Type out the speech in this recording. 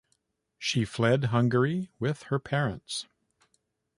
She fled Hungary with her parents.